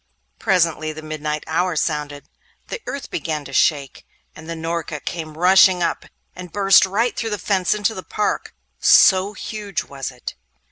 Presently the midnight hour sounded. The earth began to shake, and the Norka came rushing up, and burst right through the fence into the park, so huge was it.